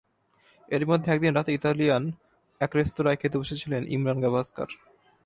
এরই মধ্যে একদিন রাতে ইতালিয়ান এক রেস্তোরাঁয় খেতে বসেছিলেন ইমরান গাভাস্কার।